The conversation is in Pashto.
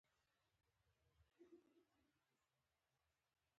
که په اتوم کې د پروتون شمیر زیات وي کوم چارج لري؟